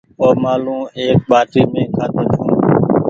اومآلون ايڪ ٻآٽي مينٚ کآڌو ڇوٚنٚ